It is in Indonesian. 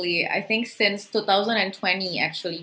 saya pikir sejak dua ribu dua puluh